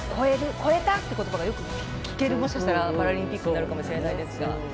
超えた！って言葉がよく聞けるもしかしたらパラリンピックになるかもしれないですが。